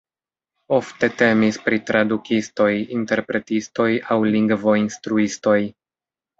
Ofte temis pri tradukistoj, interpretistoj aŭ lingvo-instruistoj.